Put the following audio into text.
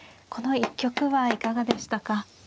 この一局はいかがでしたか。